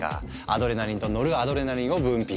アドレナリンとノルアドレナリンを分泌。